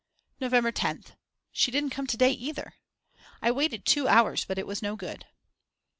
November 10th. She didn't come to day either. I waited two hours, but it was no good.